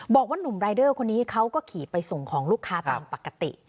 หนุ่มรายเดอร์คนนี้เขาก็ขี่ไปส่งของลูกค้าตามปกติ